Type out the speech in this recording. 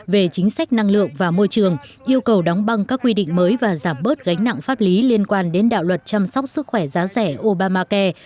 về chính sách năng lượng và môi trường yêu cầu đóng băng các quy định mới và giảm bớt gánh nặng pháp lý liên quan đến đạo luật chăm sóc sức khỏe giá rẻ obamacai